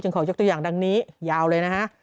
ขอยกตัวอย่างดังนี้ยาวเลยนะฮะ